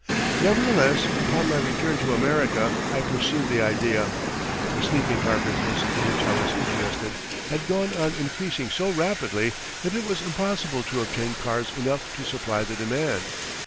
Nevertheless, upon my return to America. I pursued the idea. The sleeping car business, in which I was interested, had gone on increasing so rapidly that it was impossible to obtain cars enough to supply the demand.